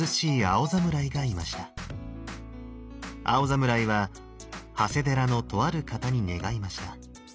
青侍は長谷寺の「とある方」に願いました。